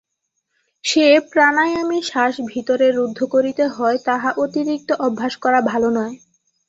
যে প্রাণায়ামে শ্বাস ভিতরে রুদ্ধ করিতে হয়, তাহা অতিরিক্ত অভ্যাস করা ভাল নয়।